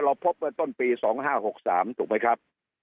เราพบในต้นปี๒๕๖๓ถูกไหมครับ